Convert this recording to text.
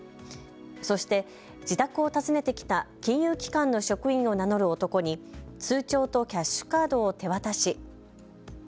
そして、自宅を訪ねてきた金融機関の職員を名乗る男に通帳とキャッシュカードを手渡し。